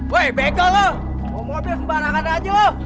weh bengkel lo mau mobil sembarangan aja lo